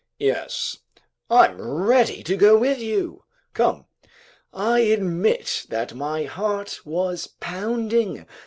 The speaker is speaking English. "Yes." "I'm ready to go with you." "Come." I admit that my heart was pounding.